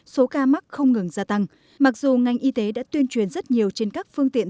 số ca mắc không ngừng gia tăng mặc dù ngành y tế đã tuyên truyền rất nhiều trên các phương tiện